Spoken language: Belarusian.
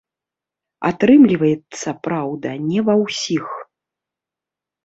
Атрымліваецца, праўда, не ва ўсіх.